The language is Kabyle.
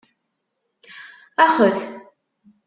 Axet!